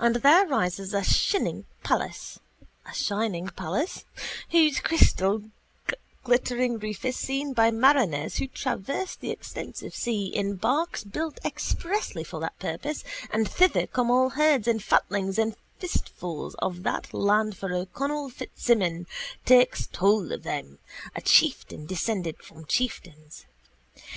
And there rises a shining palace whose crystal glittering roof is seen by mariners who traverse the extensive sea in barks built expressly for that purpose, and thither come all herds and fatlings and firstfruits of that land for O'Connell Fitzsimon takes toll of them, a chieftain descended from chieftains.